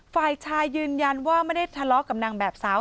ฝ่ายชายยืนยันว่าไม่ได้ทะเลาะกับนางแบบสาว